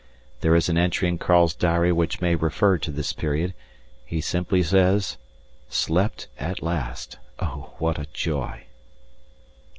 There is an entry in Karl's diary which may refer to this period; he simply says, "Slept at last! Oh, what a joy!"